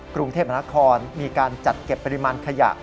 กรุงเทพมนาคมมีการจัดเก็บปริมาณขยะ